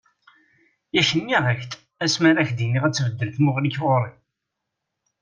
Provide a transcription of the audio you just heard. Yak nniɣ-ak-d asma ara ak-d-iniɣ ad tbeddel tmuɣli-k ɣur-i.